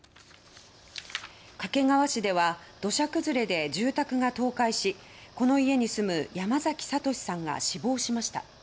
掛川市では土砂崩れで住宅が倒壊しこの家に住む山崎悟司さんが死亡しました。